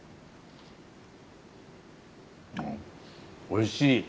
おいしい！